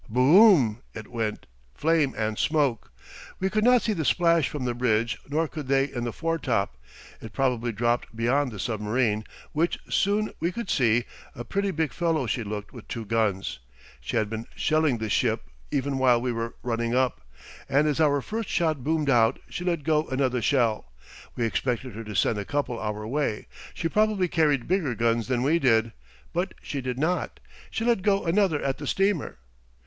Bo o m! it went, flame and smoke. We could not see the splash from the bridge, nor could they in the foretop. It probably dropped beyond the submarine, which soon we could see a pretty big fellow she looked with two guns. She had been shelling the ship even while we were running up, and as our first shot boomed out she let go another shell. We expected her to send a couple our way she probably carried bigger guns than we did but she did not; she let go another at the steamer.